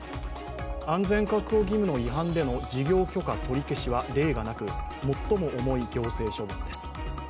安全確保義務の違犯での事業許可取り消しは例がなく最も重い行政処分です。